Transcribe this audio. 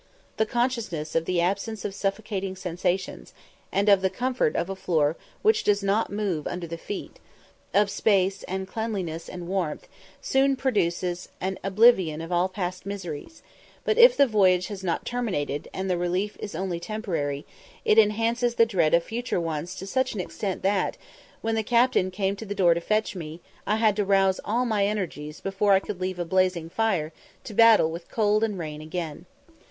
The consciousness of the absence of suffocating sensations, and of the comfort of a floor which does not move under the feet of space, and cleanliness, and warmth soon produce an oblivion of all past miseries; but if the voyage has not terminated, and the relief is only temporary, it enhances the dread of future ones to such an extent that, when the captain came to the door to fetch me, I had to rouse all my energies before I could leave a blazing fire to battle with cold and rain again.